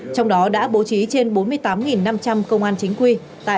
trong đó đã bố trí trên bốn mươi tám năm trăm linh công an chính quy